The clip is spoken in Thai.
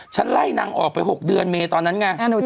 ไล่นางออกไป๖เดือนเมย์ตอนนั้นไง